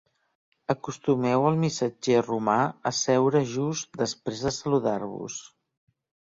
Acostumeu el missatger romà a seure just després de saludar-vos.